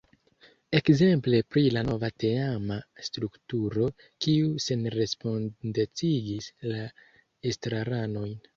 Ekzemple pri la nova teama strukturo, kiu senrespondecigis la estraranojn.